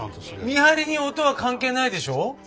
見張りに音は関係ないでしょ？